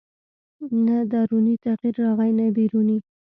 نه دروني تغییر راغی نه بیروني